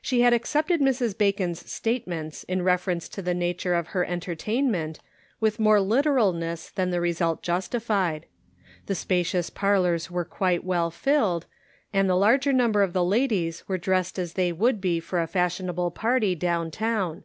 She had accepted Mrs. Bacon's statements in reference to the nature of her entertainment with more literalness than the result justi fied. The spacious parlors were quite well filled, and the larger number of the ladies were dressed as they would be for a fashionable party down town.